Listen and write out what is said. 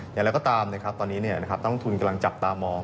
อย่างไรก็ตามนะครับตอนนี้ต้องทุนกำลังจับตามอง